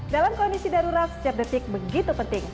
dalam kondisi darurat setiap detik begitu penting